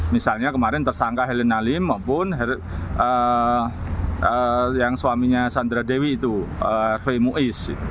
misalnya kemarin tersangka helen nalim maupun yang suaminya sandra dewi itu f muiz